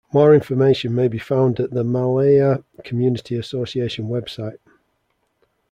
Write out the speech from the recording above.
More information may be found at the Maalaea Community Association web site.